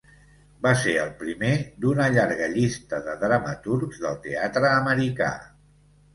Va ser el primer d'una llarga llista de dramaturgs del teatre americà.